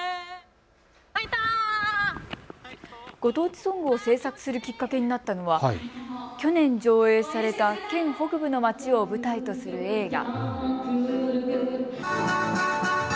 ご当地ソングを制作するきっかけになったのは去年、上映された県北部のまちを舞台とする映画。